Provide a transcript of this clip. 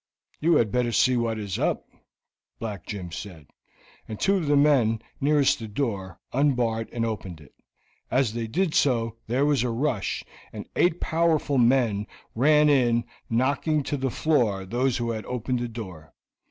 "You had better see what is up," Black Jim said, and two of the men nearest the door unbarred and opened it. As they did so there was a rush, and eight powerful men ran in, knocking to the floor those who had opened the door.